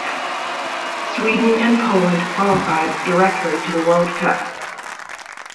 Sweden and Poland qualified directly to the World Cup.